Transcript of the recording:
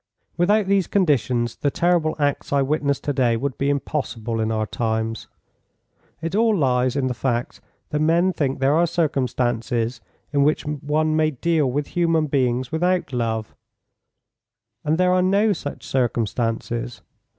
Without these conditions, the terrible acts I witnessed to day would be impossible in our times. It all lies in the fact that men think there are circumstances in which one may deal with human beings without love; and there are no such circumstances.